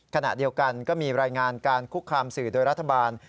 ขณะเดียวกันก็มีรายงานการคุกคามสื่อโดยรัฐบาล